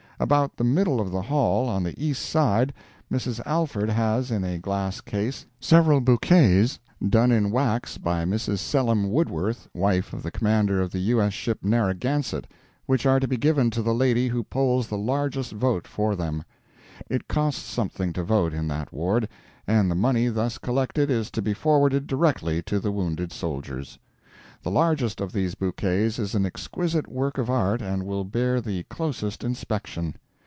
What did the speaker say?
About the middle of the Hall, on the east side, Mrs. Alvord has, in a glass case, several bouquets, done in wax by Mrs. Selim Woodworth, wife of the commander of the U.S. ship Narragansett, which are to be given to the lady who polls the largest vote for them; it costs something to vote in that ward, and the money thus collected is to be forwarded directly to the wounded soldiers. The largest of these bouquets is an exquisite work of art and will bear the closest inspection.